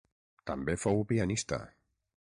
També fou pianista.